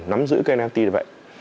nắm giữ cái nft như vậy